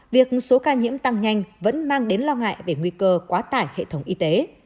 việc số ca nhiễm tăng nhanh vẫn mang đến lo ngại về nguy cơ quá tải hệ thống y tế